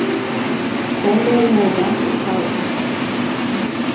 Senanayake College.